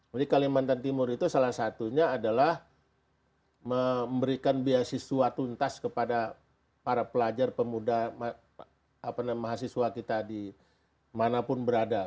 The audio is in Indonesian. jadi kalimantan timur itu salah satunya adalah memberikan beasiswa tuntas kepada para pelajar pemuda mahasiswa kita di manapun berada